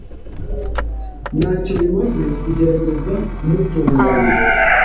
Ntacyo bimaze kugerageza kumutonganya.